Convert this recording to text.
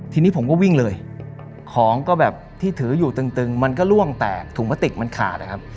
ทีนี้ผมก็วิ่งเลยของก็แบบที่ถืออยู่ตึงมันก็ล่วงแตกถุงพลาสติกมันขาดอะครับ